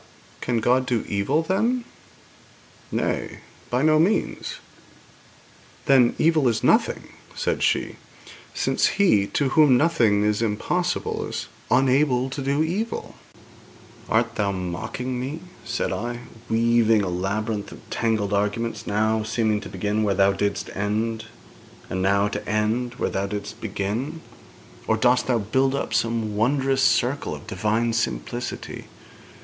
'But can God do evil, then?' 'Nay; by no means.' 'Then, evil is nothing,' said she, 'since He to whom nothing is impossible is unable to do evil.' 'Art thou mocking me,' said I, 'weaving a labyrinth of tangled arguments, now seeming to begin where thou didst end, and now to end where thou didst begin, or dost thou build up some wondrous circle of Divine simplicity?